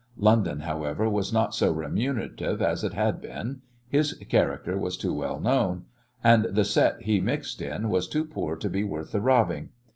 London, however, was not so remunerative as it had been: his character was too well known, and the set he mixed in was too poor to be worth the robbing.